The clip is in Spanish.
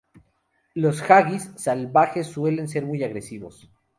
Los "haggis" salvajes suelen ser muy agresivos.